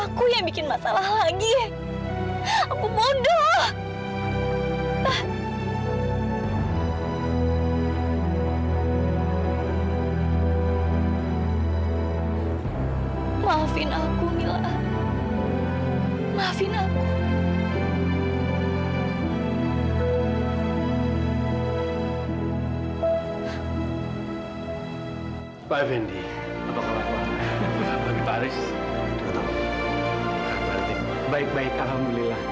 mama lihat siapa yang datang